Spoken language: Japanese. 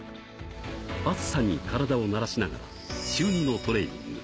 暑さに体を慣らしながら、週２のトレーニング。